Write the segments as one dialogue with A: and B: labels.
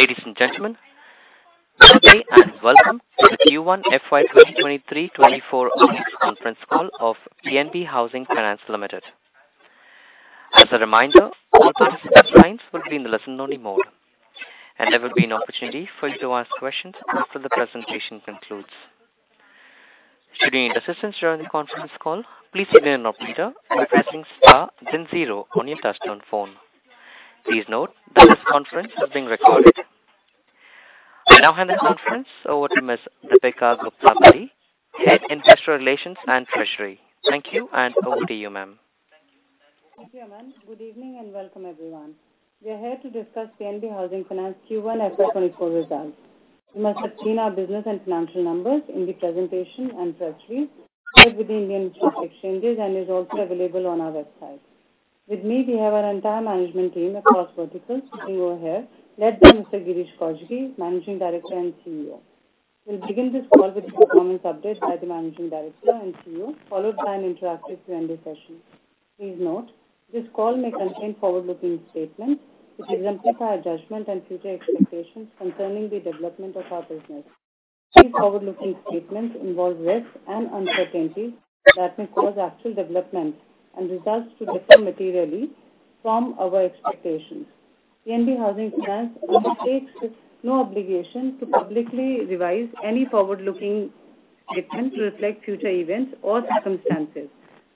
A: Ladies and gentlemen, good day, welcome to the Q1 FY 2023-2024 earnings conference call of PNB Housing Finance Limited. As a reminder, all participant lines will be in the listen-only mode, and there will be an opportunity for you to ask questions after the presentation concludes. Should you need assistance during the conference call, please remain on the leader by pressing star 0 on your touchtone phone. Please note that this conference is being recorded. I now hand the conference over to Ms. Deepika Gupta Padhi, Head Investor Relations and Treasury. Thank you, and over to you, ma'am.
B: Thank you, Aman. Good evening, welcome everyone. We are here to discuss PNB Housing Finance Q1 FY 2024 results. You must have seen our business and financial numbers in the presentation and treasury, with the Indian stock exchanges, is also available on our website. With me, we have our entire management team across verticals sitting over here, led by Mr. Girish Kousgi, Managing Director and CEO. We'll begin this call with the performance update by the Managing Director and CEO, followed by an interactive Q&A session. Please note, this call may contain forward-looking statements, which reflect our judgment and future expectations concerning the development of our business. These forward-looking statements involve risks and uncertainties that may cause actual developments and results to differ materially from our expectations. PNB Housing Finance undertakes no obligation to publicly revise any forward-looking statements to reflect future events or circumstances.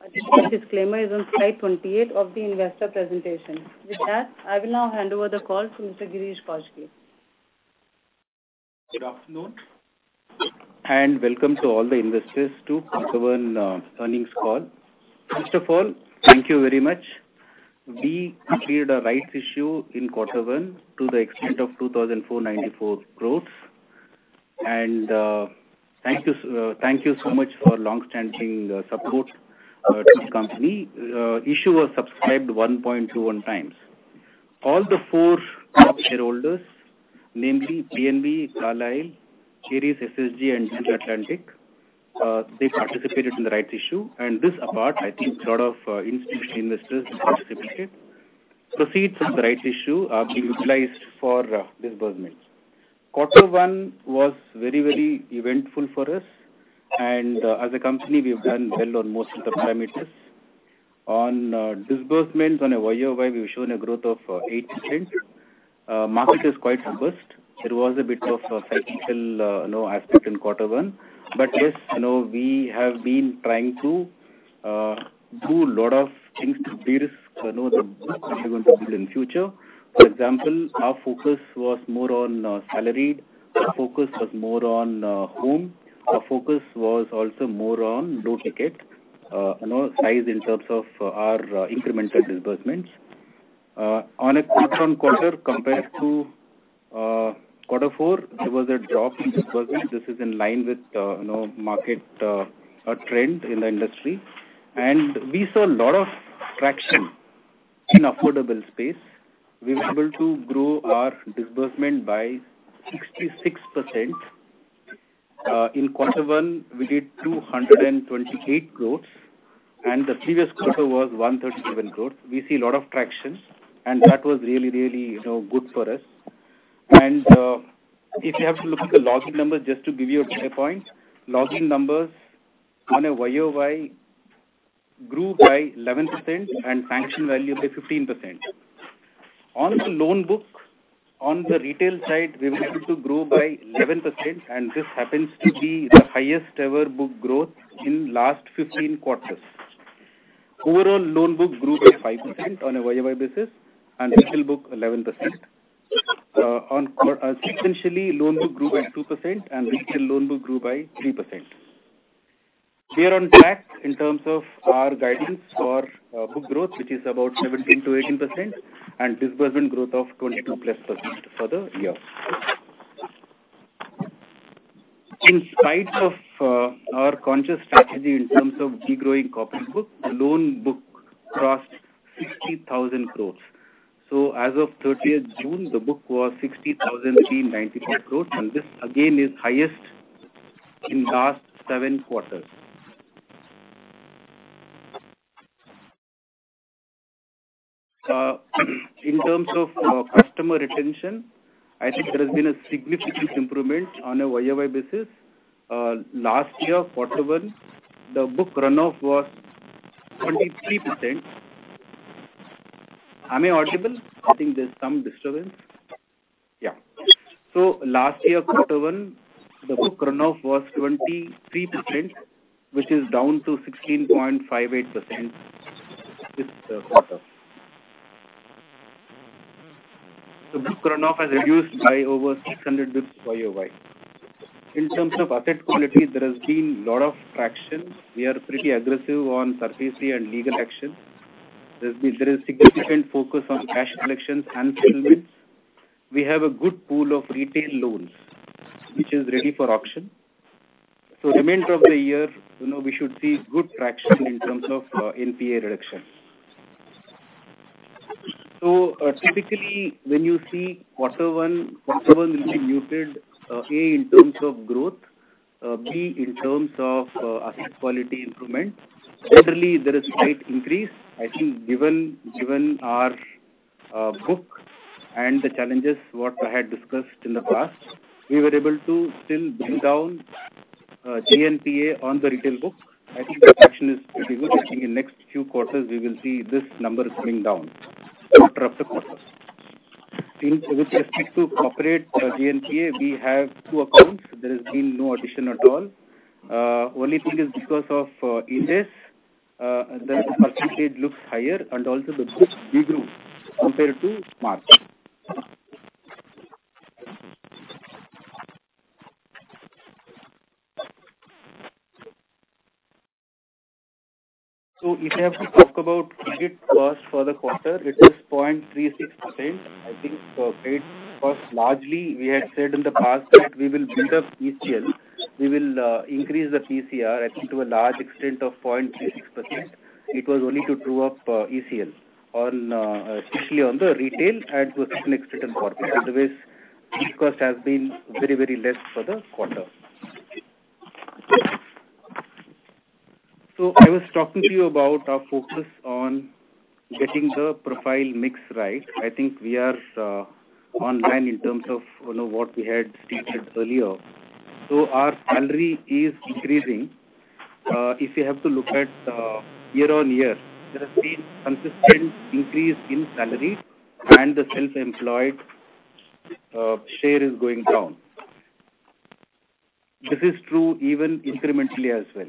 B: A detailed disclaimer is on slide 28 of the investor presentation. With that, I will now hand over the call to Mr. Girish Kousgi.
C: Good afternoon, and welcome to all the investors to quarter one earnings call. First of all, thank you very much. We completed a rights issue in quarter one to the extent of 2,494 crores. Thank you so much for long-standing support to this company. Issue was subscribed 1.21x. All the four top shareholders, namely PNB, Carlyle, Ares SSG, and General Atlantic, they participated in the rights issue. This apart, I think a lot of institutional investors participated. Proceeds from the rights issue are being utilized for disbursements. Quarter one was very, very eventful for us, and as a company, we've done well on most of the parameters. On disbursements on a YOY, we've shown a growth of 80%. Market is quite robust. There was a bit of a cyclical, you know, aspect in quarter one. Yes, you know, we have been trying to do a lot of things to de-risk, you know, the in future. For example, our focus was more on salaried. Our focus was more on home. Our focus was also more on low-ticket, you know, size in terms of our incremental disbursements. On a quarter-on-quarter, compared to quarter four, there was a drop in disbursement. This is in line with, you know, market trend in the industry. We saw a lot of traction in affordable space. We were able to grow our disbursement by 66%. In quarter one, we did 228 crores, and the previous quarter was 137 crores. We see a lot of traction, that was really, you know, good for us. If you have to look at the login numbers, just to give you a data point, login numbers on a YOY grew by 11% and sanction value by 15%. On the loan book, on the retail side, we were able to grow by 11%, and this happens to be the highest ever book growth in last 15 quarters. Overall, loan book grew by 5% on a YOY basis and retail book 11%. Sequentially, loan book grew by 2% and retail loan book grew by 3%. We are on track in terms of our guidance for book growth, which is about 17%-18%, and disbursement growth of 22%+ for the year. In spite of our conscious strategy in terms of degrowing corporate book, the loan book crossed 60,000 crore. As of thirtieth June, the book was 60,394 crore, and this again, is highest in last seven quarters. In terms of customer retention, I think there has been a significant improvement on a YOY basis. Last year, quarter one, the book run-off was 23%. Am I audible? I think there's some disturbance. Last year, quarter one, the book run-off was 23%, which is down to 16.58% this quarter. The book run-off has reduced by over 600 basis YOY. In terms of asset quality, there has been a lot of traction. We are pretty aggressive on third party and legal action. There is significant focus on cash collections and settlements. We have a good pool of retail loans, which is ready for auction. Remainder of the year, you know, we should see good traction in terms of NPA reduction. Typically, when you see quarter one, quarter one will be muted, A, in terms of growth. B, in terms of asset quality improvement. Quarterly, there is slight increase. I think given our book and the challenges, what I had discussed in the past, we were able to still bring down GNPA on the retail book. I think the action is pretty good. I think in next few quarters, we will see this number coming down, quarter after quarter. With respect to corporate GNPA, we have two accounts. There has been no addition at all. Only thing is because of interest, the percentage looks higher and also the book degrew compared to March. If you have to talk about credit cost for the quarter, it is 0.36%. I think for credit cost, largely, we had said in the past that we will build up ECL. We will increase the PCR, I think to a large extent of 0.36%. It was only to true up ECL on especially on the retail and to a certain extent in corporate. Otherwise, cost has been very, very less for the quarter. I was talking to you about our focus on getting the profile mix right. I think we are on line in terms of, you know, what we had stated earlier. Our salary is increasing. If you have to look at year-on-year, there has been consistent increase in salary and the self-employed share is going down. This is true even incrementally as well.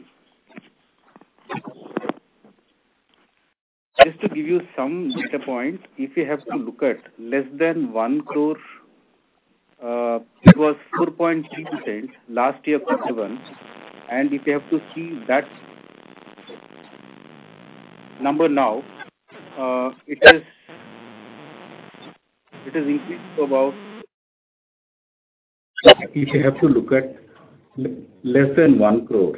C: Just to give you some data points, if you have to look at less than 1 crore, it was 4.3% last year, quarter one. If you have to see that number now, it is increased to about- If you have to look at less than 1 crore,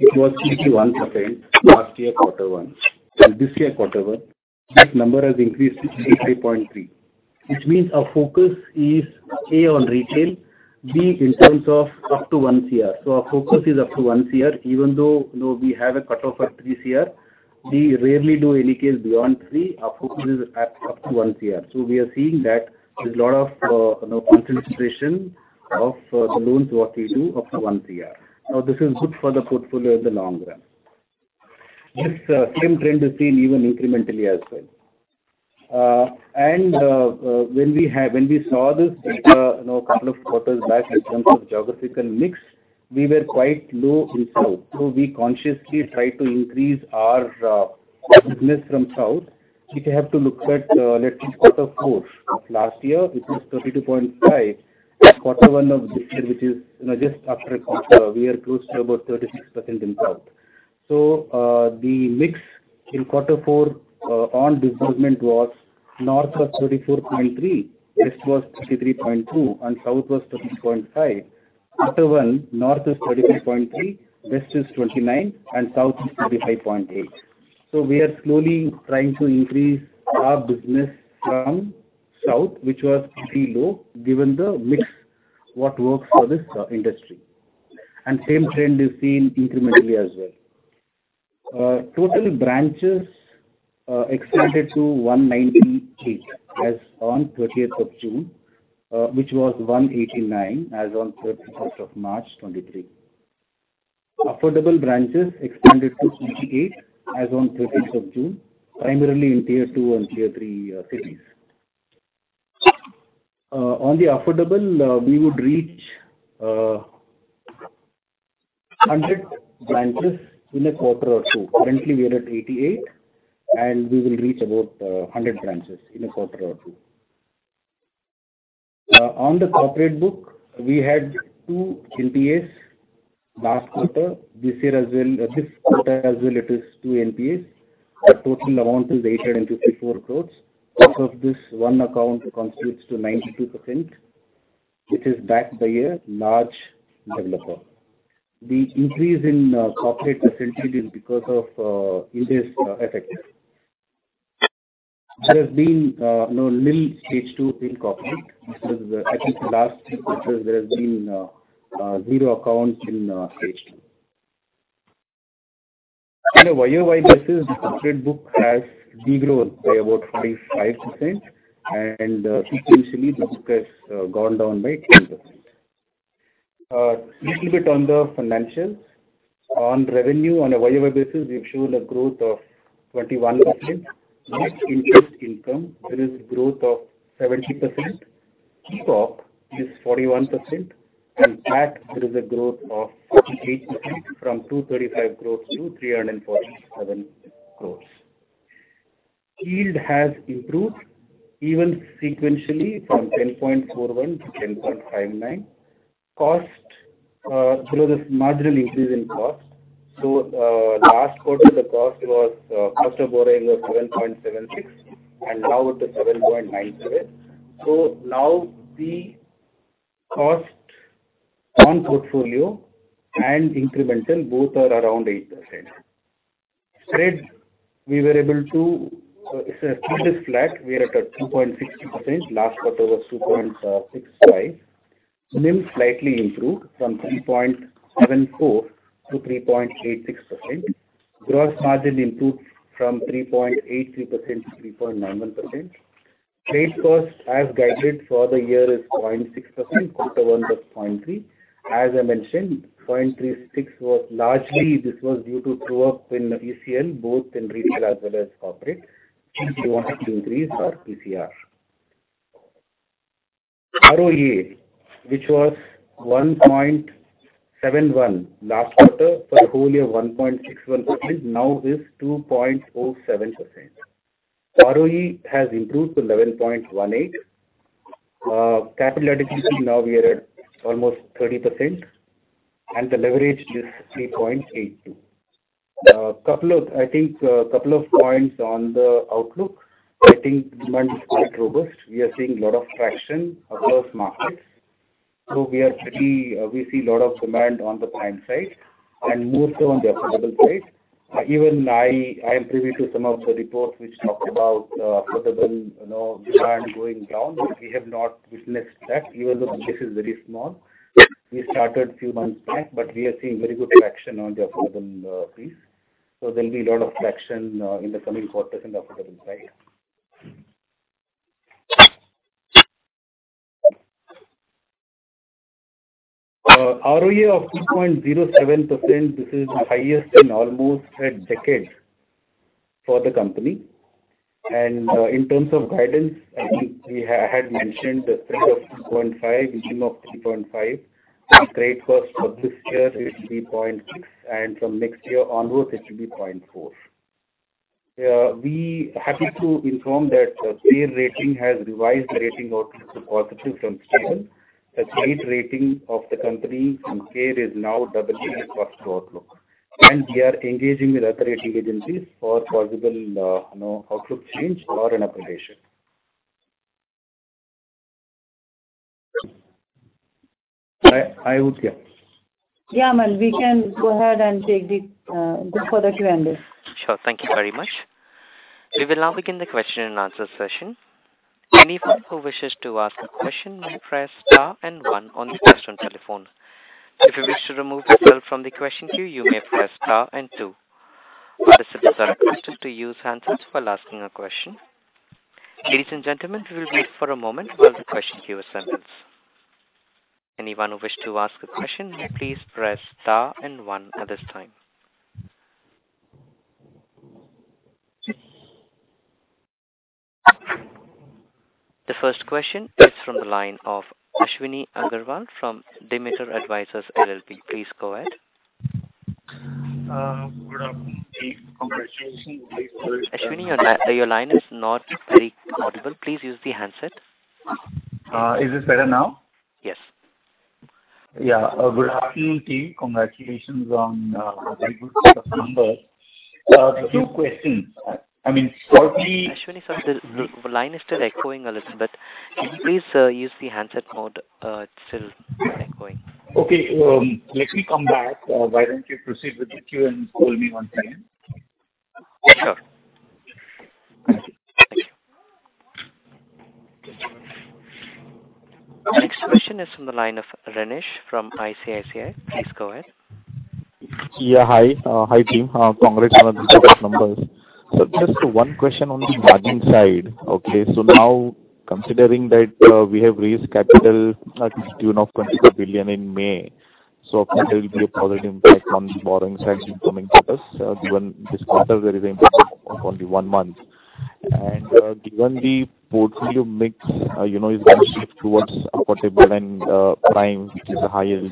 C: it was 51% last year, quarter one, and this year, quarter one, that number has increased to 63.3%. Which means our focus is, A, on retail, B, in terms of up to 1 crore. Our focus is up to 1 crore, even though, you know, we have a cut-off at 3 crore. We rarely do any case beyond three. Our focus is at up to 1 crore. We are seeing that there's a lot of, you know, concentration of the loans what we do up to 1 crore. This is good for the portfolio in the long run. This same trend is seen even incrementally as well. When we saw this, you know, couple of quarters back in terms of geographical mix, we were quite low in South. We consciously tried to increase our business from South. If you have to look at, let's say quarter four of last year, it was 32.5%. Quarter one of this year, which is, you know, just after a quarter, we are close to about 36% in South. The mix in quarter four on disbursement was North was 34.3, East was 33.2, and South was 30.5. Quarter one, North is 33.3, East is 29, and South is 35.8. We are slowly trying to increase our business from South, which was pretty low, given the mix, what works for this industry. Same trend is seen incrementally as well. Total branches expanded to 198, as on 13th of June, which was 189, as on 31st of March, 2023. Affordable branches expanded to 88 as on 13th of June, primarily in Tier two and Tier three cities. On the affordable, we would reach 100 branches in a quarter or two. Currently, we are at 88, and we will reach about 100 branches in a quarter or two. On the corporate book, we had two NPAs last quarter. This quarter as well, it is two NPAs. The total amount is 854 crores. Out of this, one account constitutes to 92%, which is backed by a large developer. The increase in corporate is essentially because of interest effect. There has been no nil Stage two in corporate. I think the last three quarters, there has been zero accounts in Stage two. On a YOY basis, the corporate book has degrown by about 45%, and sequentially, the book has gone down by 10%. Little bit on the financials. On revenue, on a YOY basis, we've shown a growth of 21%. Net interest income, there is growth of 70%. POP is 41%, PAT, there is a growth of 48% from 235 crore-347 crore. Yield has improved even sequentially from 10.41% to 10.59%. Cost, there is marginal increase in cost. Last quarter, the cost was, cost of borrowing was 7.76%, and now it is 7.97%. Now the cost on portfolio and incremental, both are around 8%. Spread, we were able to keep it flat. We are at a 2.60%, last quarter was 2.65%. NIM slightly improved from 3.74% to 3.86%. Gross margin improved from 3.83% to 3.91%. Trade cost, as guided for the year, is 0.6%. quarter one was 0.3%. As I mentioned, 0.36% was largely, this was due to true-up in ECL, both in retail as well as corporate, if you want to increase our TCR. ROA, which was 1.71% last quarter, for the whole year, 1.61%, now is 2.47%. ROE has improved to 11.18%. Capital efficiency, now we are at almost 30%, and the leverage is 3.82. Couple of, I think, couple of points on the outlook. I think demand is quite robust. We are seeing a lot of traction across markets, so we are pretty, we see a lot of demand on the prime side and more so on the affordable side. Even I am privy to some of the reports which talked about affordable, you know, demand going down. We have not witnessed that. Even though this is very small, we started few months back, we are seeing very good traction on the affordable piece. There'll be a lot of traction in the coming quarters in the affordable side. ROA of 2.07%, this is the highest in almost a decade for the company. In terms of guidance, I mentioned the spread of 2.5%, beginning of 3.5%. Trade cost for this year is 3.6%, from next year onwards, it should be 0.4%. We happy to inform that CARE Ratings has revised rating outlook to positive from stable. The trade rating of the company from CARE is now BB with positive outlook. We are engaging with other rating agencies for possible, you know, outlook change or an upgradation. Ay-Ayutya?
B: Aman, we can go ahead and take the further Q&A.
A: Sure. Thank you very much. We will now begin the question and answer session. Anyone who wishes to ask a question may press star and one on the question telephone. If you wish to remove yourself from the question queue, you may press star and two. Participants are requested to use handsets while asking a question. Ladies and gentlemen, we will wait for a moment while the question queue assembles. Anyone who wishes to ask a question, may please press star and one at this time. The first question is from the line of Ashwini Agarwal from Demeter Advisors LLP. Please go ahead.
D: Good afternoon. Congratulations-
A: Ashwini, your line is not very audible. Please use the handset.
D: Is this better now?
A: Yes.
D: Yeah. Good afternoon, team. Congratulations on, very good set of numbers. A few questions. I mean.
A: Ashwini, sir, the line is still echoing a little bit. Can you please use the handset mode? It's still echoing.
D: Let me come back. Why don't you proceed with the Q&A and call me 1 time?
A: Sure. The next question is from the line of Renish from ICICI. Please go ahead.
E: Yeah. Hi, hi, team. Congrats on the numbers. Just one question on the margin side. Okay, now, considering that we have raised capital at the tune of 20 crore billion in May, so there will be a positive impact on the borrowing side in coming quarters, given this quarter there is an impact of only one month. Given the portfolio mix, you know, is going to shift towards affordable and prime, which is a higher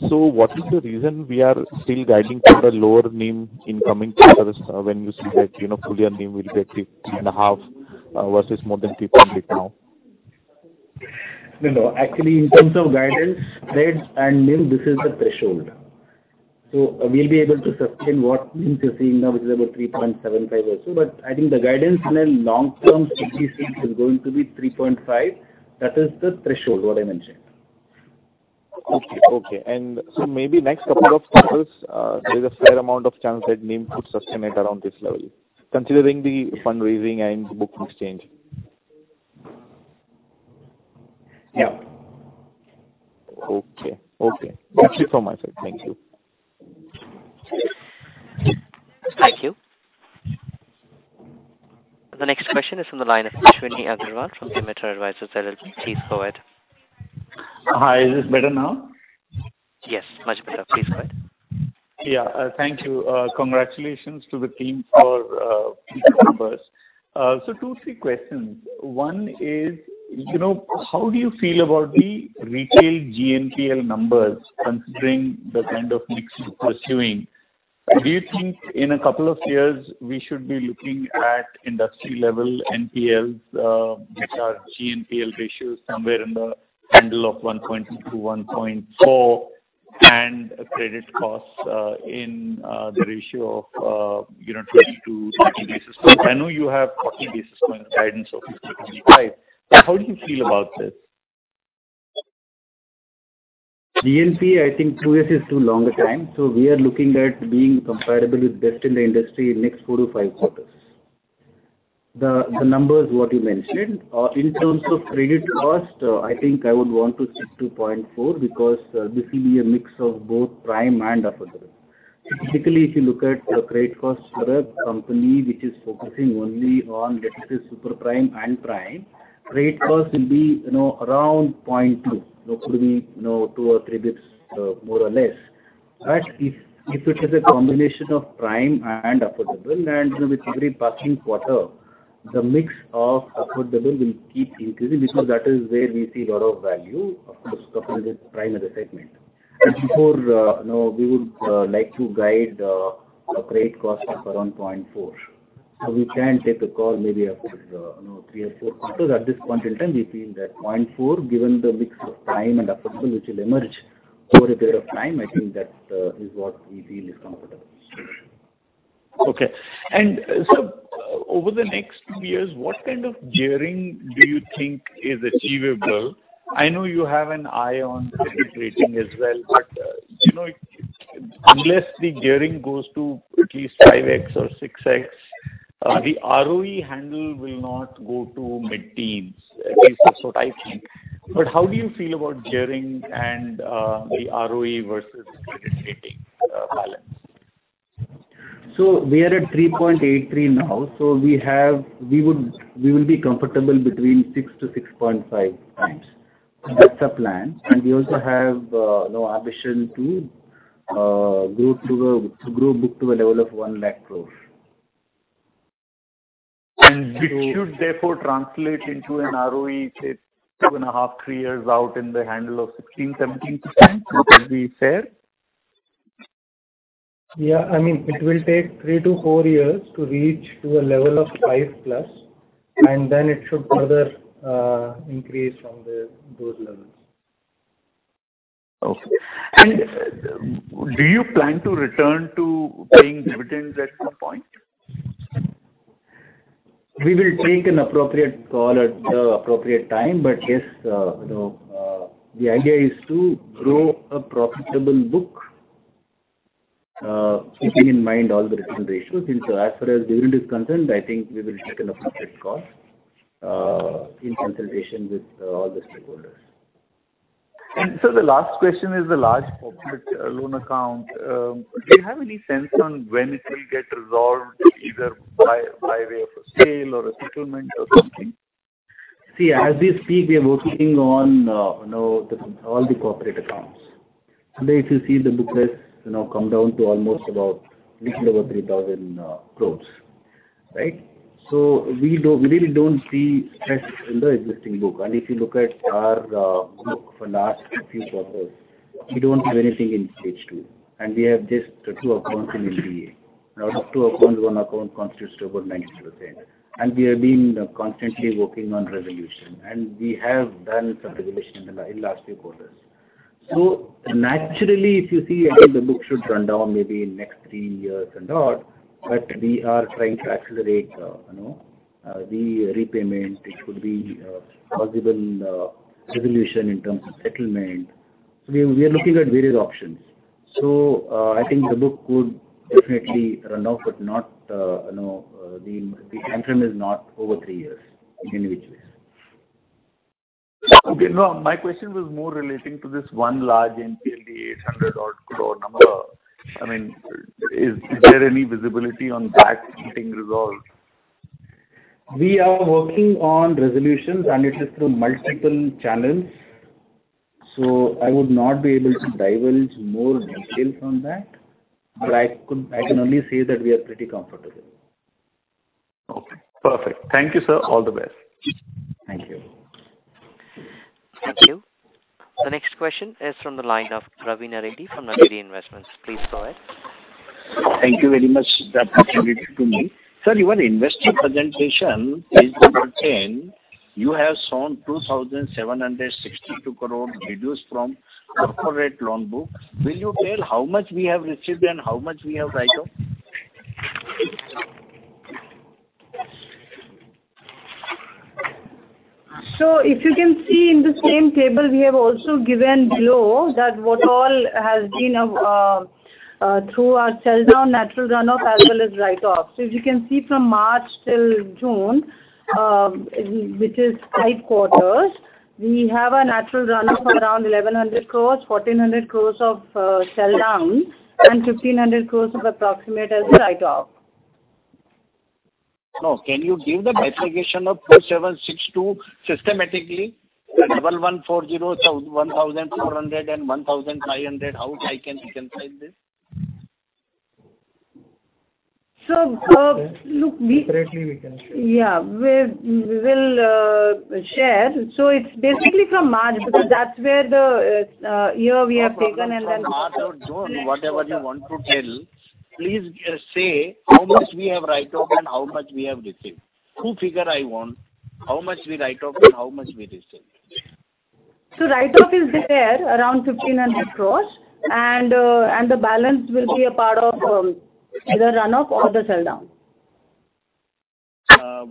E: yield. What is the reason we are still guiding for a lower NIM in coming quarters, when you see that, you know, full year NIM will be 8.5%, versus more than people need now?
C: No, no. Actually, in terms of guidance, spread and NIM, this is the threshold. We'll be able to sustain what NIMs you're seeing now, which is about 3.75% or so. I think the guidance in a long-term stability sense is going to be 3.5%. That is the threshold, what I mentioned.
E: Okay. Okay. Maybe next couple of quarters, there is a fair amount of chance that NIM could sustain at around this level, considering the fundraising and the booking change.
C: Yeah.
E: Okay. Okay. That's it from my side. Thank you.
A: Thank you. The next question is from the line of Ashwini Agarwal from Demeter Advisors LLP. Please go ahead.
D: Hi, is this better now?
A: Yes, much better. Please go ahead.
D: Thank you. Congratulations to the team for good numbers. two, three questions. One is, you know, how do you feel about the retail GNPL numbers, considering the kind of mix you're pursuing? Do you think in a couple of years we should be looking at industry level NPLs, which are GNPL ratios somewhere in the handle of 1.0%-1.4%, and credit costs in the ratio of, you know, 20-20 basis points? I know you have 14 basis points guidance of 50-55 basis points, but how do you feel about this?
C: GNP, I think two years is too long a time. We are looking at being comparable with best in the industry in next four to five quarters. The numbers what you mentioned, in terms of credit cost, I think I would want to stick to 0.4%. This will be a mix of both prime and affordable. Typically, if you look at the credit cost for a company which is focusing only on let's say super prime and prime, credit cost will be, you know, around 0.2%. It could be, you know, two or three bits, more or less. If it is a combination of prime and affordable, and, you know, with every passing quarter, the mix of affordable will keep increasing. That is where we see a lot of value. Of course, affordable is prime and segment. Before, you know, we would like to guide a credit cost of around 0.4%. We can take a call maybe after, you know, three or four quarters. At this point in time, we feel that 0.4%, given the mix of prime and affordable, which will emerge over a period of time, I think that is what we feel is comfortable.
D: Okay. Sir, over the next two years, what kind of gearing do you think is achievable? I know you have an eye on credit rating as well, you know, unless the gearing goes to at least 5x or 6x, the ROE handle will not go to mid-teens, at least that's what I think. How do you feel about gearing and the ROE versus credit rating balance?
C: We are at 3.83 now, we will be comfortable between 6x to 6.5x. That's the plan. We also have no ambition to grow book to a level of 100,000 crore.
D: Which should therefore translate into an ROE, say, two and a half, three years out in the handle of 16%-17%, would that be fair?
C: Yeah. I mean, it will take three to four years to reach to a level of 5+, and then it should further increase from those levels.
D: Okay. Do you plan to return to paying dividends at some point?
C: We will take an appropriate call at the appropriate time, but yes, you know, the idea is to grow a profitable book, keeping in mind all the return ratios. As far as dividend is concerned, I think we will take an appropriate call, in consultation with all the stakeholders.
D: The last question is the large corporate loan account. Do you have any sense on when it will get resolved, either by way of a sale or a settlement or something?
C: See, as we speak, we are working on, you know, the all the corporate accounts. Today, if you see the book has, you know, come down to almost about little over 3,000 crores, right. We don't, we really don't see stress in the existing book. If you look at our book for the last few quarters, we don't have anything in Stage two, and we have just two accounts in NPA. Out of two accounts, one account constitutes to about 90%. We have been constantly working on resolution, and we have done some resolution in the, in last few quarters. Naturally, if you see, I think the book should run down maybe in next three years and odd, but we are trying to accelerate, you know, the repayment. It could be possible resolution in terms of settlement. We are looking at various options. I think the book could definitely run off, but not, you know, the timeframe is not over three years in any which way.
D: Okay. No, my question was more relating to this one large NPA, 800 odd crore number. I mean, is there any visibility on that getting resolved?
C: We are working on resolutions, and it is through multiple channels, so I would not be able to divulge more details on that, but I can only say that we are pretty comfortable.
D: Okay, perfect. Thank you, sir. All the best.
C: Thank you.
A: Thank you. The next question is from the line of Ravi Naredi from Naredi Investments. Please go ahead.
F: Thank you very much for the opportunity to me. Sir, your investor presentation, page number 10, you have shown 2,762 crore reduced from corporate loan book. Will you tell how much we have received and how much we have write-off?
B: If you can see in the same table, we have also given below that what all has been through our sell-down, natural run-off, as well as write-offs. As you can see from March till June, which is five quarters, we have a natural run-off around 1,100 crore, 1,400 crore of sell-down, and 1,500 crore of approximate as write-off.
F: No, can you give the bifurcation of 4,762 systematically? The level 140, 1,400 and 1,500, how I can reconcile this? Look.
C: Separately, we can share.
B: Yeah, we will share. It's basically from March, because that's where the year we have taken.
F: From March or June, whatever you want to tell, please just say how much we have write-off and how much we have received. Two figure I want, how much we write off and how much we receive.
B: Write-off is there around 1,500 crores, and the balance will be a part of either run-off or the sell-down.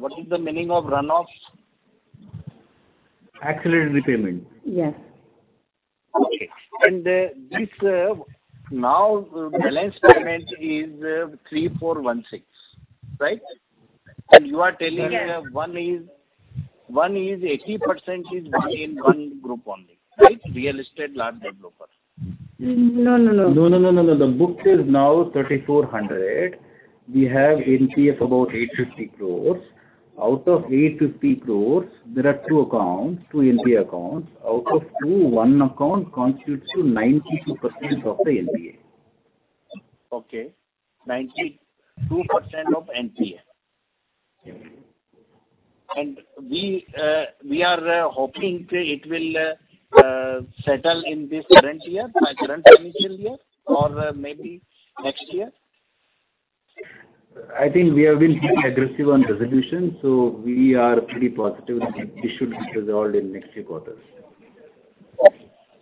F: What is the meaning of run-offs?
C: Accelerated repayment.
B: Yes.
F: Okay. This now balance payment is 3,416, right? You are telling one is 80% is one in one group only, right? Real estate, large developer.
B: No, no.
C: No, no, no. The book is now 3,400. We have NPA of about 850 crores. Out of 850 crores, there are two accounts, two NPA accounts. Out of two, one account constitutes to 92% of the NPA.
F: Okay, 92% of NPA.
C: Mm-hmm.
F: We are hoping it will settle in this current year, by current financial year, or maybe next year?
C: I think we have been pretty aggressive on resolution, so we are pretty positive that it should be resolved in next few quarters.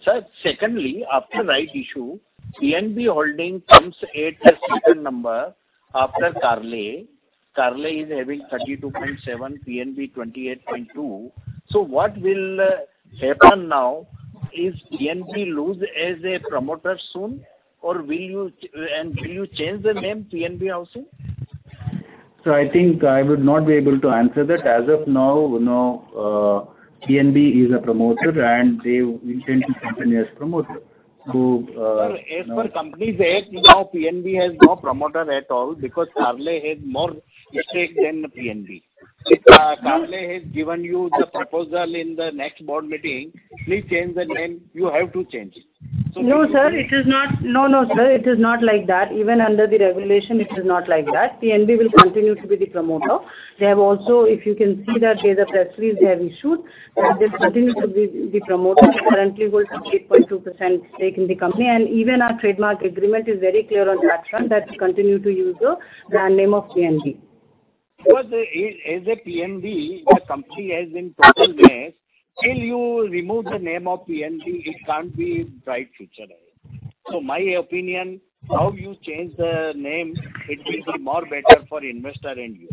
F: Sir, secondly, after rights issue, PNB Housing comes at a second number after Carlyle. Carlyle is having 32.7%, PNB, 28.2%. What will happen now, is PNB lose as a promoter soon, or will you and will you change the name PNB also?
C: I think I would not be able to answer that. As of now, you know, PNB is a promoter and they intend to continue as promoter.
F: Sir, as per Companies Act, now PNB has no promoter at all because Carlyle has more stake than PNB. If Carlyle has given you the proposal in the next board meeting, please change the name. You have to change it.
B: No, sir, it is not like that. Even under the regulation, it is not like that. PNB will continue to be the promoter. They have also, if you can see that there's a press release they have issued, that they'll continue to be the promoter, who currently holds 8.2% stake in the company. Even our trademark agreement is very clear on that front, that we continue to use the brand name of PNB.
F: As a PNB, the company has been total mess. Till you remove the name of PNB, it can't be bright future ahead. My opinion, how you change the name, it will be more better for investor and you.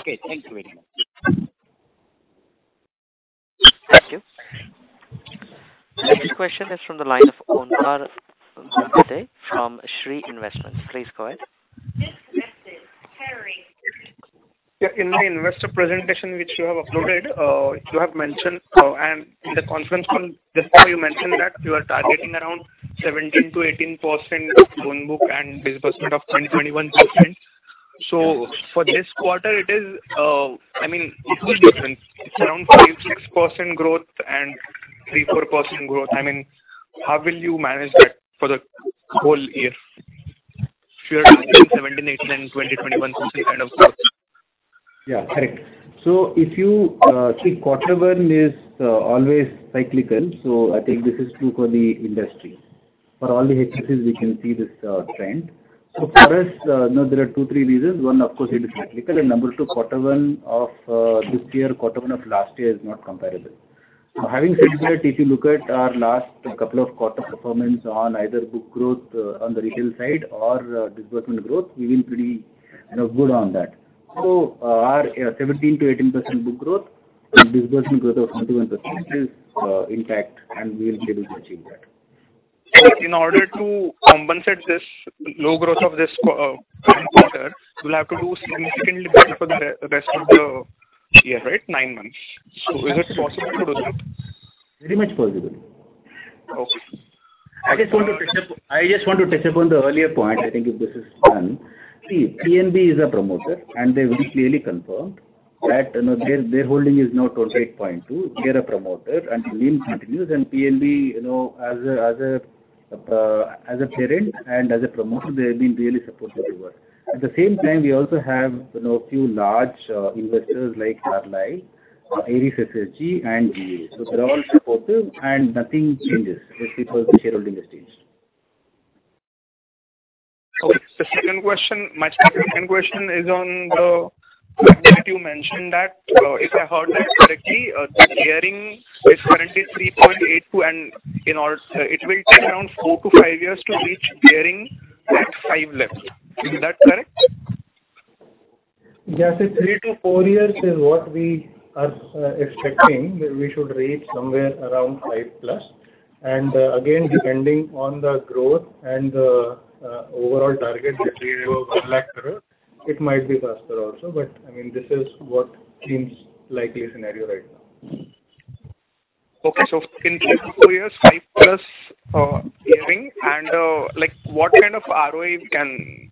F: Okay, thank you very much.
A: Thank you. Next question is from the line of Onkar Ghugardare from Shree Investments. Please go ahead.
G: Yeah, in the investor presentation, which you have uploaded, you have mentioned, and in the conference call, just now you mentioned that you are targeting around 17%-18% of loan book and disbursement of 2021 book bank. For this quarter it is, I mean, huge difference, around 5%-6% growth and 3%-4% growth. I mean, how will you manage that for the whole year? If you are looking 17%-18% and 2021 kind of growth.
C: Yeah, correct. If you see, quarter one is always cyclical. I think this is true for the industry. For all the HFCs, we can see this trend. For us, you know, there are two, three reasons. One, of course, it is cyclical. Number two, quarter one of this year, quarter one of last year is not comparable. Having said that, if you look at our last couple of quarter performance on either book growth on the retail side or disbursement growth, we've been pretty, you know, good on that. Our 17%-18% book growth and disbursement growth of 21% is, in fact, and we will be able to achieve that.
G: In order to compensate this low growth of this quarter, you'll have to do significantly better for the rest of the year, right? Nine months. Is it possible to do that?
C: Very much possible.
G: Okay.
C: I just want to touch upon the earlier point. I think if this is done, see, PNB is a promoter, and they've very clearly confirmed that, you know, their holding is now 12.2. They are a promoter, and the loan continues, and PNB, you know, as a parent and as a promoter, they have been really supportive over. At the same time, we also have, you know, a few large investors like Carlyle, Ares SSG and GA. They're all supportive and nothing changes just because the shareholding has changed.
G: Okay. The second question is on the that you mentioned that, if I heard that correctly, the gearing is currently 3.82, it will take around four to five years to reach gearing at five left. Is that correct?
C: Yes, three to four years is what we are expecting, that we should reach somewhere around 5+. Again, depending on the growth and overall target that we have over 1 lakh crore, it might be faster also, but, I mean, this is what seems likely scenario right now.
G: Okay. In three to four years, 5+ gearing and, like, what kind of ROE we can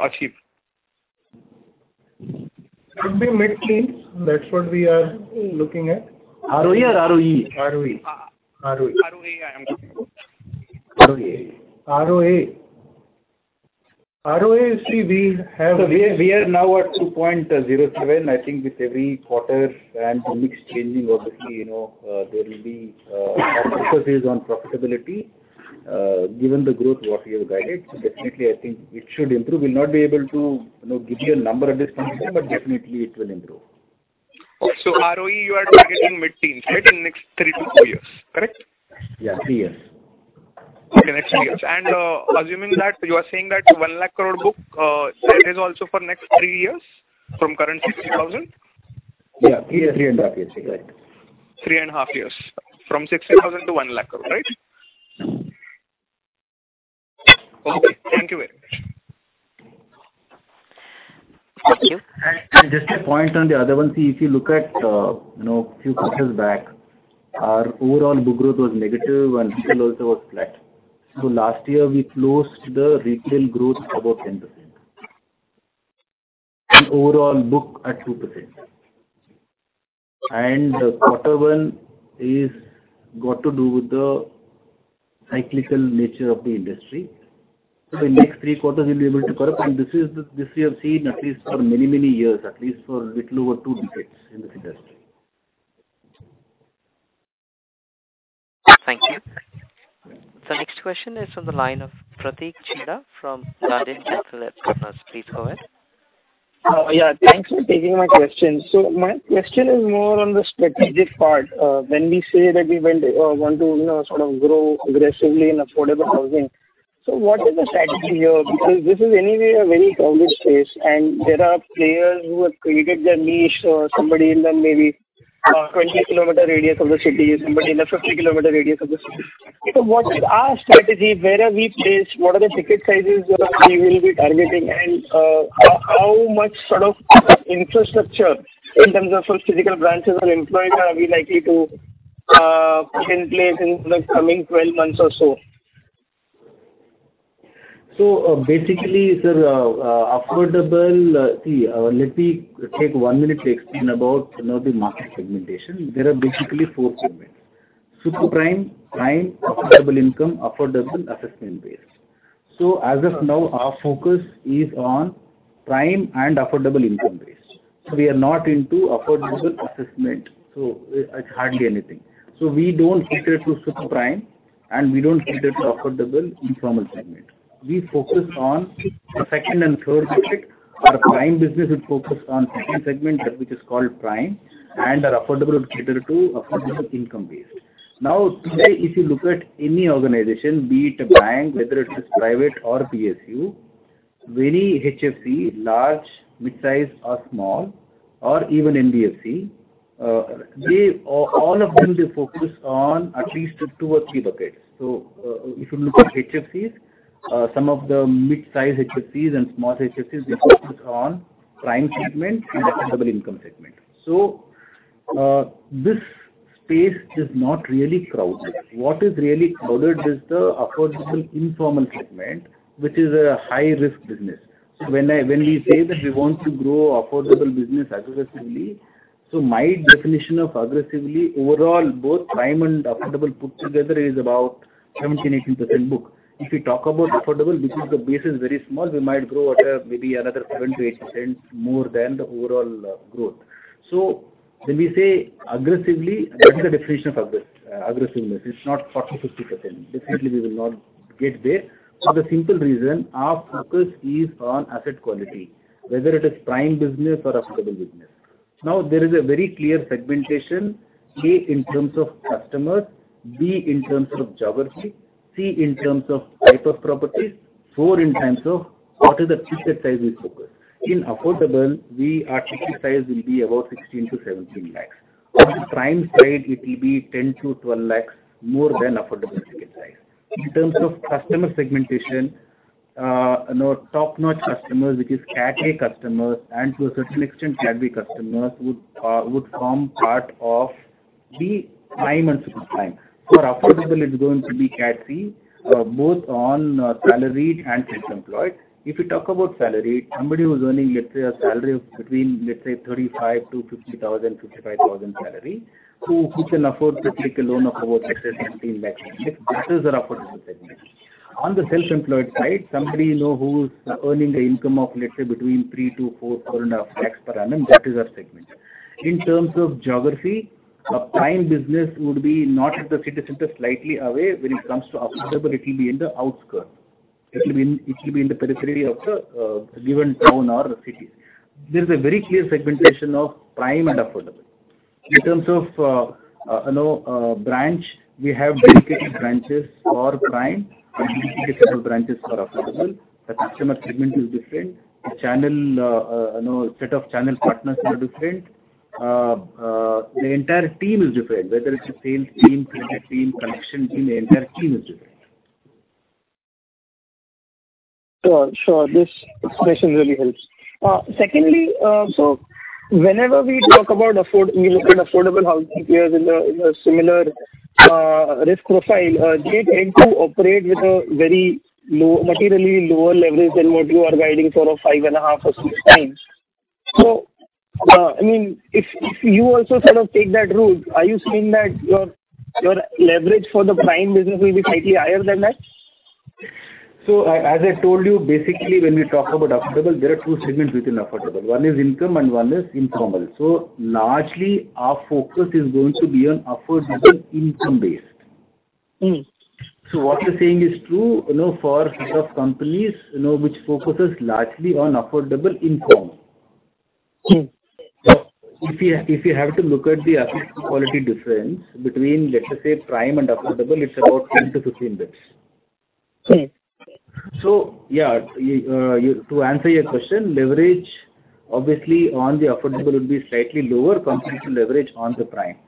G: achieve?
C: Could be mid-teens. That's what we are looking at.
G: ROE or ROE?
C: ROE.
G: ROE, I am looking for.
C: ROE.
G: ROA.
C: ROA, see, we. We are now at 2.07. I think with every quarter and the mix changing, obviously, you know, there will be, our focus is on profitability. Given the growth what we have guided, definitely I think it should improve. We'll not be able to, you know, give you a number at this point in time, but definitely it will improve.
G: ROE, you are targeting mid-teens, right? In the next three to four years. Correct?
C: Yeah, three years.
G: Okay, next year. Assuming that you are saying that 100,000 crore book, that is also for next three years from current 60,000 crore?
C: Yeah, three and a half years, right.
G: Three and a half years. From 60,000 crore-1,00,000 crore, right? Okay, thank you very much.
C: Thank you. Just a point on the other one, see, if you look at, you know, few quarters back, our overall book growth was negative and retail also was flat. Last year, we closed the retail growth about 10%. Overall book at 2%. Quarter one is got to do with the cyclical nature of the industry. The next three quarters, we'll be able to correct, and this we have seen at least for many, many years, at least for a little over two decades in this industry.
A: Thank you. The next question is on the line of Pratik Chheda from Guardian Capital Partners. Please go ahead.
H: Yeah, thanks for taking my question. My question is more on the strategic part. When we say that we want to, you know, sort of grow aggressively in affordable housing, what is the strategy here? This is anyway a very crowded space, and there are players who have created their niche or somebody in the maybe, 20 km radius of the city, somebody in a 50 km radius of the city. What is our strategy? Where are we placed? What are the ticket sizes that we will be targeting? How much sort of infrastructure in terms of physical branches or employees are we likely to put in place in the coming 12 months or so?
C: Basically, sir, affordable, see, let me take one minute to explain about, you know, the market segmentation. There are basically four segments: super prime, affordable income, affordable assessment base. As of now, our focus is on prime and affordable income base. We are not into affordable assessment, so it's hardly anything. We don't cater to super prime, and we don't cater to affordable informal segment. We focus on the second and third segment. Our prime business is focused on second segment, that which is called prime, and our affordable would cater to affordable income base. Now, today, if you look at any organization, be it a bank, whether it is private or PSU, very HFC, large, mid-size or small, or even NBFC, they, all of them, they focus on at least two or three buckets. If you look at HFCs, some of the mid-size HFCs and small HFCs, they focus on prime segment and affordable income segment. This space is not really crowded. What is really crowded is the affordable informal segment, which is a high-risk business. When we say that we want to grow affordable business aggressively, my definition of aggressively, overall, both prime and affordable put together is about 17%-18% book. If we talk about affordable, because the base is very small, we might grow at maybe another 7%-8% more than the overall growth. When we say aggressively, that is the definition of aggressiveness. It's not 40%-50%. Definitely, we will not get there for the simple reason our focus is on asset quality, whether it is prime business or affordable business. There is a very clear segmentation, A, in terms of customers, B, in terms of geography, C, in terms of type of properties, four, in terms of what is the ticket size we focus. In affordable, we, our ticket size will be about 16 lakhs-17 lakhs. On the prime side, it will be 10 lakhs-12 lakhs, more than affordable ticket size. In terms of customer segmentation, you know, top-notch customers, which is Cat A customers, and to a certain extent, Cat B customers, would form part of the prime and super prime. For affordable, it's going to be Cat C, both on, salaried and self-employed. If you talk about salaried, somebody who's earning, let's say, a salary of between, let's say, 35,000-50,000, 55,000 salary, who can afford to take a loan of about, let's say, 17 lakhs, that is our affordable segment. On the self-employed side, somebody you know who's earning a income of, let's say, between 3 crore-4 crore of tax per annum, that is our segment. In terms of geography, a prime business would be not at the city center, slightly away. When it comes to affordable, it will be in the outskirt. It will be in the periphery of the given town or the cities. There is a very clear segmentation of prime and affordable. In terms of, you know, branch, we have dedicated branches for prime and dedicated branches for affordable. The customer segment is different. The channel, you know, set of channel partners are different. The entire team is different, whether it's a sales team, credit team, collection team, the entire team is different.
H: Sure, sure. This explanation really helps. Secondly, whenever we look at affordable housing players in a similar risk profile, they tend to operate with a very low, materially lower leverage than what you are guiding for a 5.5x or 6x. I mean, if you also sort of take that route, are you saying that your leverage for the prime business will be slightly higher than that?
C: As I told you, basically, when we talk about affordable, there are two segments within affordable. One is income and one is informal. Largely, our focus is going to be on affordable income base.
H: Mm-hmm.
C: What you're saying is true, you know, for set of companies, you know, which focuses largely on affordable informal. If you have to look at the asset quality difference between, let's say, prime and affordable, it's about 10-15 bits.
H: Okay.
C: To answer your question, leverage obviously on the affordable would be slightly lower compared to leverage on the prime.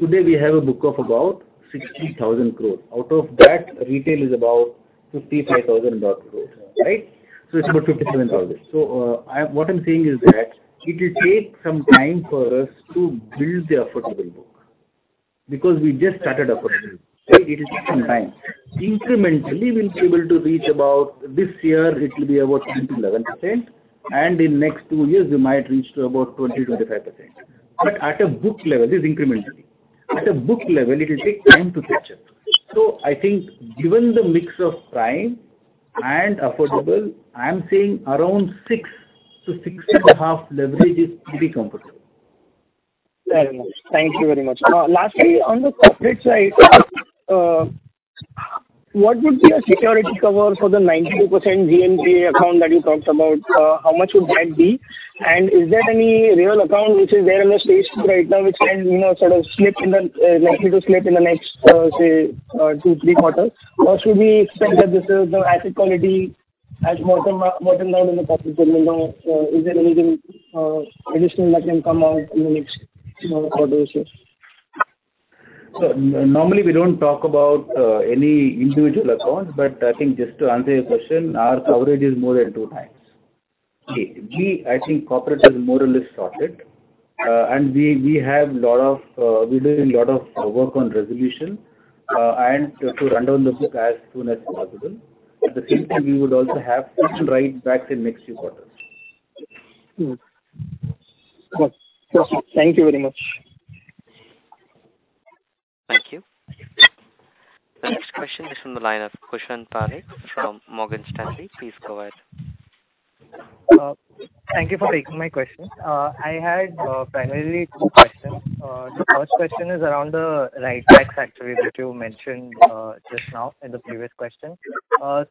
C: Today, we have a book of about 60,000 crores. Out of that, retail is about 55,000 crores, right? It's about 57,000 crores. I, what I'm saying is that it will take some time for us to build the affordable book, because we just started affordable. Right? It will take some time. Incrementally, we'll be able to reach about. This year, it will be about 10%-11%, and in next two years, we might reach to about 20%-25%. At a book level, it's incrementally. At a book level, it will take time to get there. I think given the mix of prime and affordable, I am saying around 6-6.5 leverage is to be comfortable.
H: Very much. Thank you very much. Lastly, on the corporate side, what would be a security cover for the 92% GNPA account that you talked about? How much would that be? Is there any real account which is there on the Stage two right now, which can, you know, sort of slip in the likely to slip in the next, say, two to three quarters? Should we expect that this is the asset quality as more down in the possible? Is there anything additional that can come out in the next quarters?
C: Normally, we don't talk about any individual accounts, but I think just to answer your question, our coverage is more than two times. We, I think, corporate is more or less sorted. And we have a lot of, we're doing a lot of work on resolution and to run down the book as soon as possible. At the same time, we would also have some right backs in next few quarters.
H: Thank you very much.
A: Thank you. The next question is from the line of Kushan Parikh from Morgan Stanley. Please go ahead.
I: Thank you for taking my question. I had primarily two questions. The first question is around the write back factory that you mentioned just now in the previous question.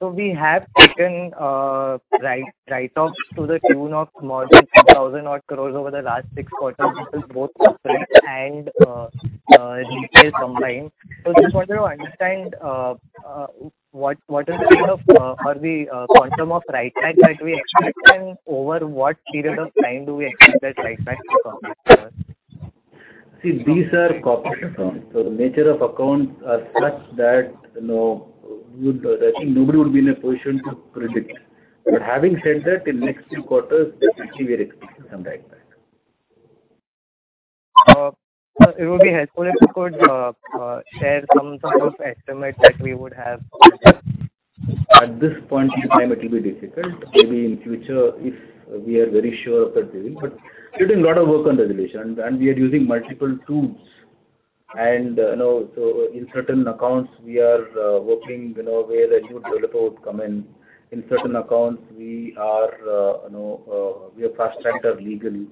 I: We have taken write-offs to the tune of more than 2,000 odd crores over the last six quarters, both corporate and retail combined. Just wanted to understand what is the kind of or the quantum of write-back that we expect, and over what period of time do we expect that write-back to come back?
C: See, these are corporate accounts, so the nature of accounts are such that, you know, would, I think nobody would be in a position to predict. Having said that, in next few quarters, definitely we are expecting some write back.
I: It would be helpful if you could share some sort of estimate that we would have.
C: At this point in time, it will be difficult. Maybe in future, if we are very sure of that doing, but we're doing a lot of work on resolution, and we are using multiple tools. You know, so in certain accounts, we are working, you know, where a new developer would come in. In certain accounts, we are, you know, we are fast-tracked legally.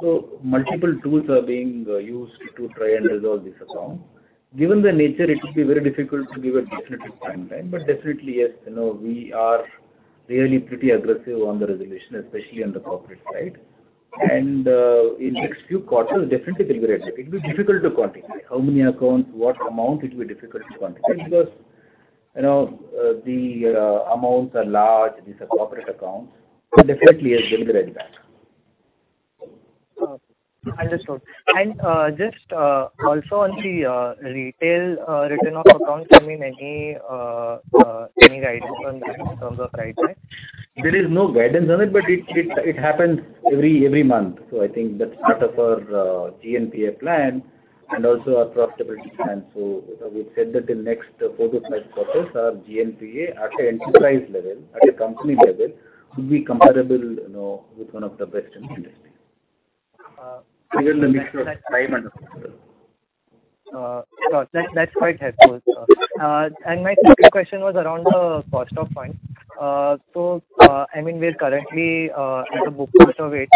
C: Multiple tools are being used to try and resolve this account. Given the nature, it will be very difficult to give a definitive timeline, but definitely, yes, you know, we are really pretty aggressive on the resolution, especially on the corporate side. In next few quarters, definitely there will be a result. It will be difficult to quantify how many accounts, what amount, it will be difficult to quantify. You know, the amounts are large, these are corporate accounts. Definitely, there will be a result back.
I: understood. Just, also on the retail written off accounts, I mean, any guidance on that in terms of write-back?
C: There is no guidance on it, but it happens every month. I think that's part of our GNPA plan and also our profitability plan. We've said that in next four to five quarters, our GNPA at the enterprise level, at a company level, will be comparable, you know, with one of the best in the industry.
I: Uh-
C: Given the mix of time and effort.
I: Sure. That's quite helpful. My second question was around the cost of funds. I mean, we're currently at a book cost of 8%,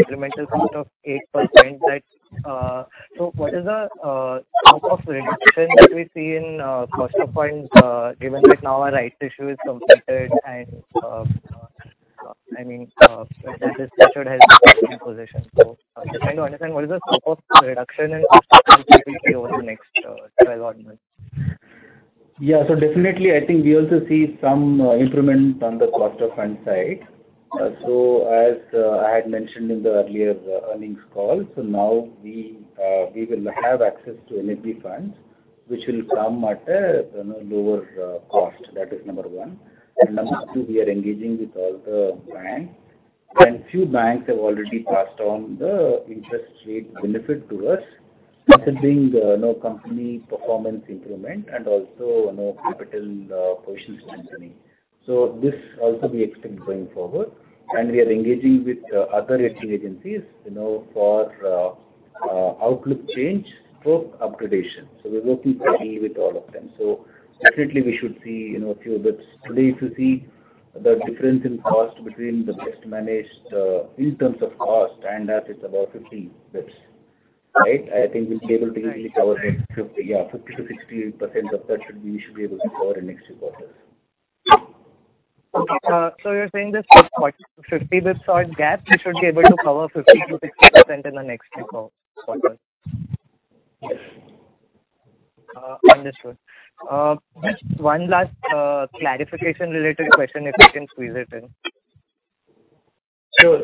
I: incremental cost of 8%. Right? What is the sort of reduction that we see in cost of funds, given that now our rights issue is completed and, I mean, this should help in position. Just trying to understand what is the sort of reduction and over the next several months?
C: Definitely, I think we also see some improvement on the cost of funds side. As I had mentioned in the earlier earnings call, now we will have access to NHB funds, which will come at a, you know, lower cost. That is number one. Number two, we are engaging with all the banks, and few banks have already passed on the interest rate benefit to us, considering, you know, company performance improvement and also, you know, capital positions mentoring. This also we expect going forward, and we are engaging with other rating agencies, you know, for outlook change for upgradation. We're working closely with all of them. Definitely, we should see, you know, a few bits. Today, if you see the difference in cost between the best managed, in terms of cost and as it's about 50 bits. Right, I think we'll be able to easily cover 50%-68% of that, we should be able to cover in next few quarters.
I: You're saying this point, 50 basis point gap, you should be able to cover 50%-60% in the next two quarters?
C: Yes.
I: Understood. Just one last clarification related question, if you can squeeze it in.
C: Sure.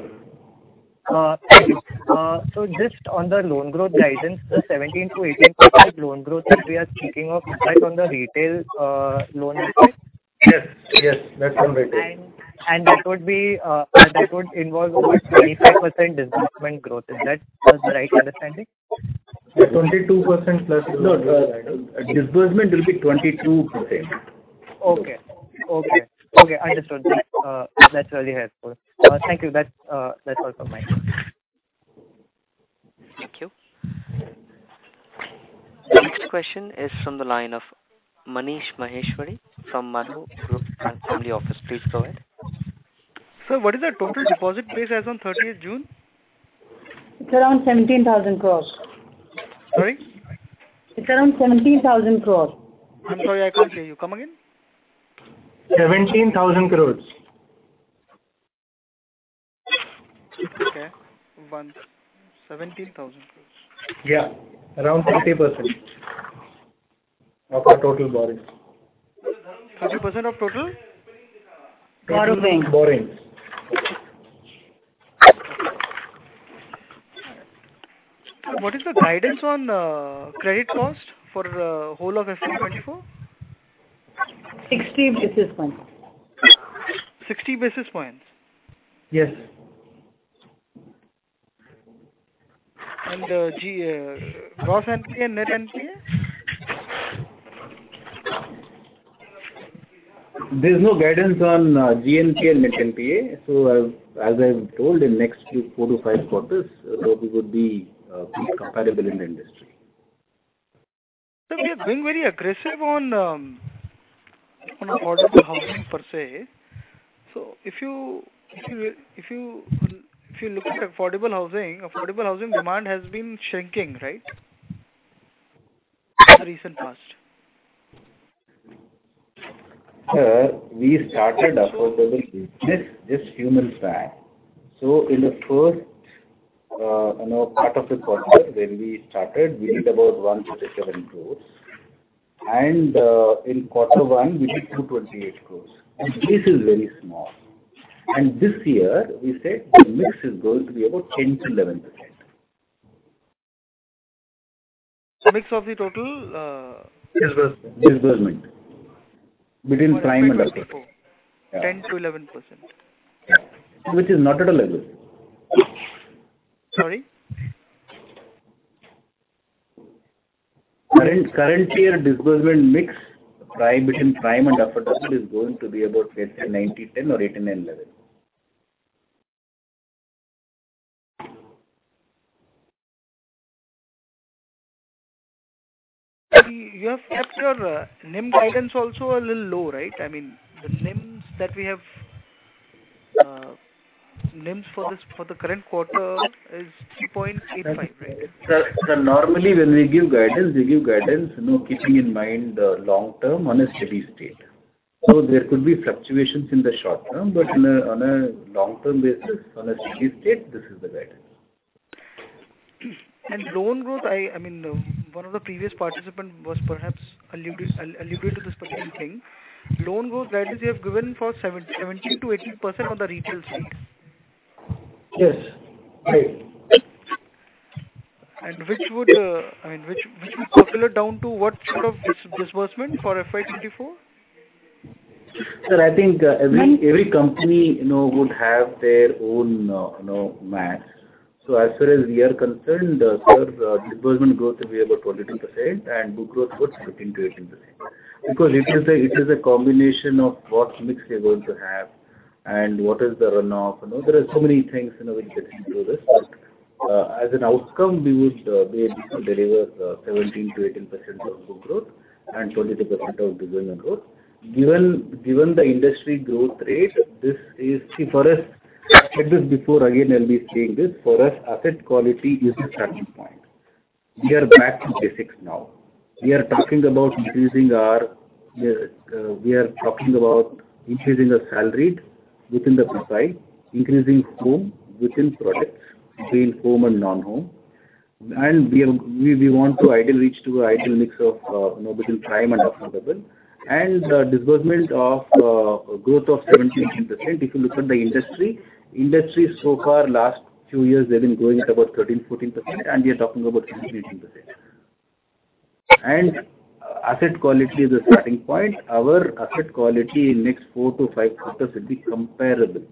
I: Just on the loan growth guidance, the 17%-18% loan growth that we are speaking of, is that on the retail loan?
C: Yes, that's on retail.
I: That would involve about 25% disbursement growth. Is that the right understanding?
C: No, disbursement will be 22%.
I: Okay. Okay. Okay, understood. That's really helpful. Thank you. That's all from my end.
A: Thank you. The next question is from the line of Manish Maheshwari from Manu Group and Family Office. Please go ahead.
J: Sir, what is our total deposit base as on thirtieth June?
B: It's around 17,000 crores.
J: Sorry?
B: It's around 17,000 crores.
J: I'm sorry, I can't hear you. Come again.
C: 17,000 crores.
J: Okay. 17,000 crores.
C: Yeah, around 30% of our total borrowings.
J: 30% of total? Borrows.
C: Borrowings.
J: Okay. What is the guidance on, credit cost for the whole of FY 2024? 60 basis points. 60 basis points?
C: Yes.
J: Gross NPA, net NPA?
C: There's no guidance on GNP and net NPA. As I've told in next few four to five quarters, we would be comparable in the industry.
J: Sir, we are being very aggressive on on affordable housing per se. If you look at affordable housing, affordable housing demand has been shrinking, right? In the recent past.
C: Sir, we started affordable business this financial year. In the first, you know, part of the quarter when we started, we did about 1 crore-7 crores and in quarter one, we did 228 crores, and this is very small. This year we said the mix is going to be about 10%-11%.
J: Mix of the total.
C: Disbursement. Disbursement between prime and affordable.
J: 10%-11%.
C: Which is not at all aggressive.
J: Sorry?
C: Current year disbursement mix, prime between prime and affordable is going to be about 10%-90%, 10% or 8% and 11%.
J: You have kept your NIM guidance also a little low, right? I mean, the NIMs that we have, NIMs for this, the current quarter is 3.85%.
C: Sir, normally, when we give guidance, we give guidance, you know, keeping in mind the long term on a steady state. There could be fluctuations in the short term, but on a long-term basis, on a steady state, this is the guidance.
J: Loan growth, I mean, one of the previous participants was perhaps alluded to this particular thing. Loan growth guidance you have given for 17%-18% on the retail side.
C: Yes, right.
J: Which would, I mean, which would percolate down to what sort of disbursement for FY 2024?
C: Sir, I think, every company, you know, would have their own, you know, math. As far as we are concerned, sir, disbursement growth will be about 22%, and book growth would be between 18%. It is a combination of what mix we are going to have and what is the run-off. You know, there are so many things, you know, which get into this. As an outcome, we would be able to deliver, 17%-18% of book growth and 22% of disbursement growth. Given, given the industry growth rate, this is. See, for us, I said this before, again, I'll be saying this: for us, asset quality is the starting point. We are back to basics now. We are talking about increasing our salary within the society, increasing home within products, between home and non-home. We want to ideally reach to an ideal mix of, you know, between prime and affordable. Disbursement of growth of 17%-18%, if you look at the industry so far last few years, they've been growing at about 13%-14%, and we are talking about 18%. Asset quality is the starting point. Our asset quality in next four to five quarters will be comparable.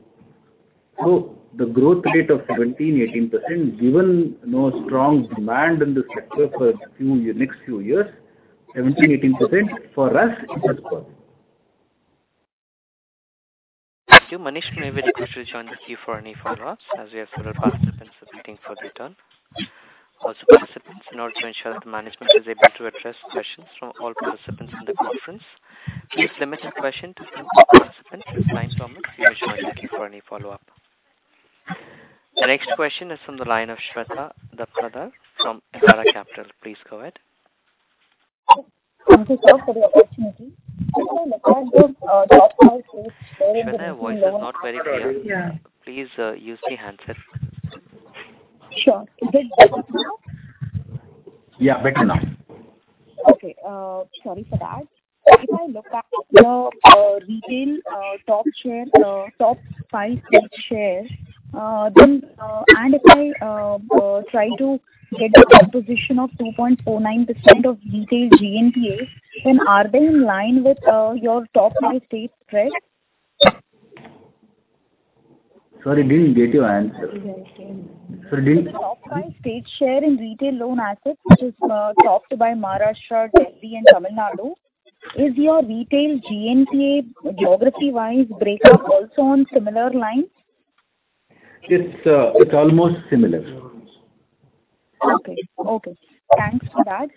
C: The growth rate of 17%-18%, given, you know, strong demand in this sector for a few years, next few years, 17%-18% for us is good.
A: Thank you. Manish, you may very please to join the queue for any follow-ups, as we have several participants waiting for their turn. In order to ensure that the management is able to address questions from all participants in the conference, please limit your question to one per participant with time permit, we will try to keep for any follow-up. The next question is from the line of Shweta Daptardar from Elara Capital. Please go ahead.
K: Thank you, sir, for the opportunity.
A: Shweta, your voice is not very clear.
K: Yeah.
A: Please use the handset.
K: Sure. Is it better now?
C: Yeah, better now.
K: Okay, sorry for that. If I look at the retail top share, top five state share, then, and if I try to get the composition of 2.49% of retail GNPA, then are they in line with your top five state spread?
C: Sorry, didn't get your answer.
K: Okay.
C: Sorry.
K: Top five state share in retail loan assets, which is topped by Maharashtra, Delhi, and Tamil Nadu. Is your retail GNPA geography-wise breakup also on similar lines?
C: It's, it's almost similar.
K: Okay. Okay, thanks for that.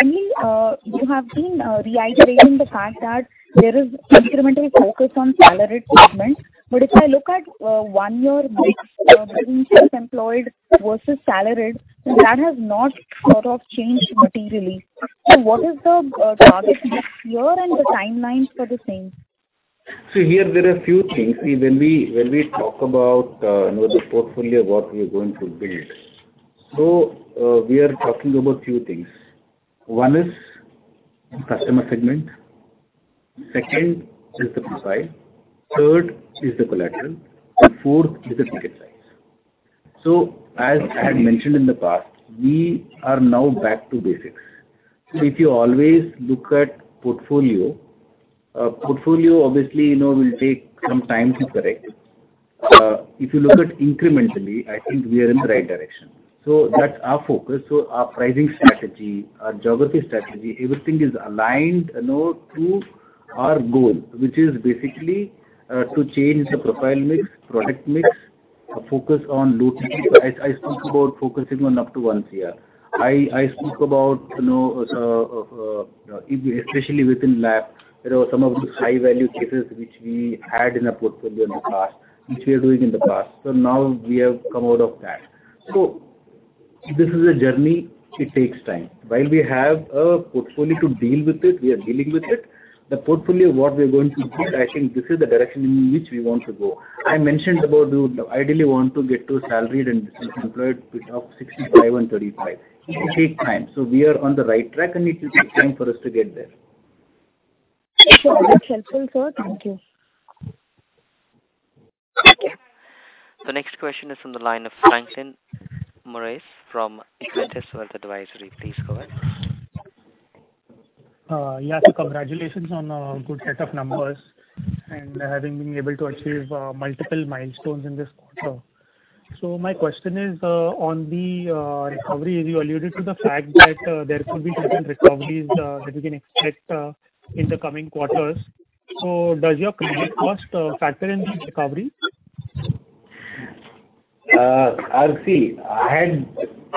K: Again, you have been reiterating the fact that there is incremental focus on salaried segment. If I look at one year mix between self-employed versus salaried, that has not sort of changed materially. What is the target next year and the timelines for the same?
C: Here there are a few things. See, when we talk about, you know, the portfolio, what we are going to build. We are talking about few things. one is customer segment, two is the profile, three is the collateral, and four is the ticket size. As I had mentioned in the past, we are now back to basics. If you always look at portfolio, obviously, you know, will take some time to correct. If you look at incrementally, I think we are in the right direction. That's our focus. Our pricing strategy, our geography strategy, everything is aligned, you know, to our goal, which is basically to change the profile mix, product mix, focus on low ticket. I spoke about focusing on up to 1 crore. I spoke about, you know, especially within LAP, there are some of the high-value cases which we had in our portfolio in the past, which we are doing in the past. Now we have come out of that. This is a journey, it takes time. While we have a portfolio to deal with it, we are dealing with it. The portfolio, what we are going to build, I think this is the direction in which we want to go. I mentioned about we would ideally want to get to salaried and self-employed to top 65 and 35. It takes time, so we are on the right track, and it will take time for us to get there.
K: Sure. That's helpful, sir. Thank you.
A: The next question is from the line of Franklin Moraes from Equentis Wealth Advisory. Please go ahead.
L: Yeah. Congratulations on a good set of numbers and having been able to achieve multiple milestones in this quarter. My question is on the recovery, you alluded to the fact that there could be certain recoveries that we can expect in the coming quarters. Does your credit cost factor in these recovery?
C: See, I had...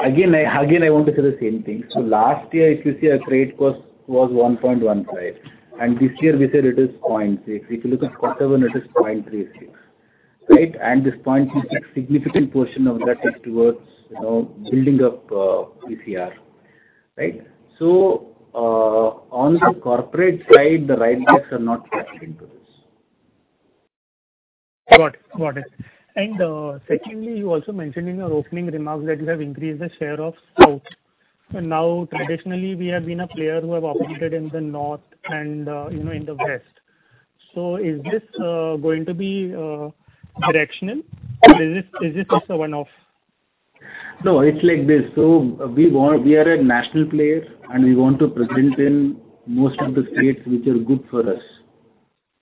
C: Again, I want to say the same thing. Last year, if you see our credit cost was 1.15%, and this year we said it is 0.6%. If you look at Q1, it is 0.36%, right? This 0.36%, significant portion of that is towards, you know, building up ECR, right? On the corporate side, the write backs are not factored into this.
L: Got it. Got it. Secondly, you also mentioned in your opening remarks that you have increased the share of south. Now, traditionally, we have been a player who have operated in the north and, you know, in the West. Is this going to be directional, or is this just a one-off?
C: No, it's like this: so we are a national player, and we want to present in most of the states which are good for us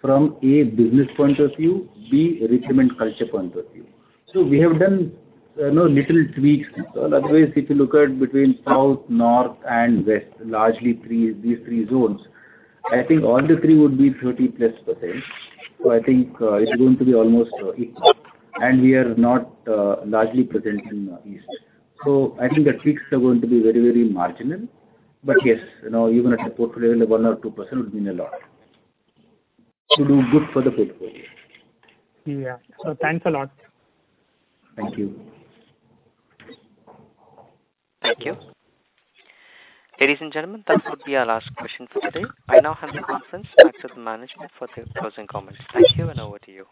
C: from, A, business point of view, B, recruitment culture point of view. We have done, you know, little tweaks. Otherwise, if you look at between south, north, and West, largely three, these three zones, I think all the three would be 30%+. I think it's going to be almost equal, and we are not largely present in east. I think the tweaks are going to be very, very marginal. Yes, you know, even at a portfolio, 1% or 2% would mean a lot to do good for the portfolio.
L: Yeah. thanks a lot.
C: Thank you.
A: Thank you. Ladies and gentlemen, that would be our last question for today. I now hand the conference back to the management for their closing comments. Thank you, and over to you.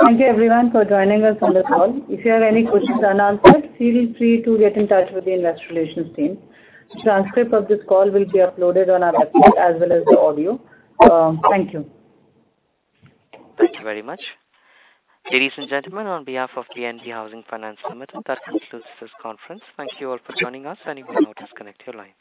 B: Thank you everyone for joining us on the call. If you have any questions unanswered, feel free to get in touch with the investor relations team. Transcript of this call will be uploaded on our website as well as the audio. Thank you.
A: Thank you very much. Ladies and gentlemen, on behalf of PNB Housing Finance Limited, that concludes this conference. Thank you all for joining us. You may now disconnect your line.